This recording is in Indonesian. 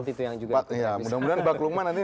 pak ya mudah mudahan bakluman nanti